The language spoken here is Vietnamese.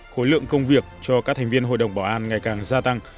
khối lượng công việc cho các thành viên hội đồng bảo an ngày càng gia tăng